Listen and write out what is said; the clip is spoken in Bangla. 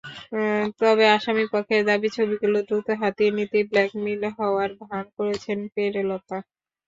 তবে আসামিপক্ষের দাবি, ছবিগুলো দ্রুত হাতিয়ে নিতেই ব্ল্যাকমেইল হওয়ার ভান করেছেন পেরেলতা।